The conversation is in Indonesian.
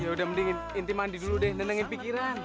ya udah mendingin inti mandi dulu deh nenengin pikiran